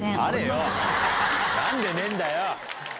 何でねえんだよ！